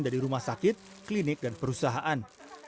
dari rumah sakit klinik dan perusahaan